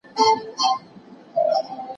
ډېر لرې